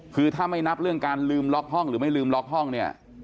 คือถ้าไม่นับเรื่องการลืมล็อกห้องหรือไม่ลืมล็อกห้องเนี่ย